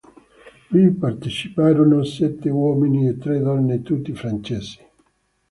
Vi parteciparono sette uomini e tre donne tutti francesi.